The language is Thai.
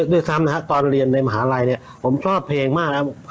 ด้วยซ้ำนะฮะตอนเรียนในมหาลัยเนี่ยผมชอบเพลงมากนะครับ